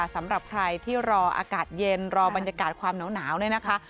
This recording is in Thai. สำหรับใครที่รออากาศเย็นรอบรรยากาศความหนาวเนี่ยนะคะ